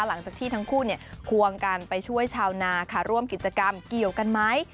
หลังจากที่ทั้งคู่ควงกันไปช่วยชาวนาค่ะร่วมกิจกรรมเกี่ยวกันไหม